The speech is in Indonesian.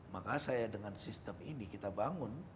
maka saya dengan sistem ini kita bangun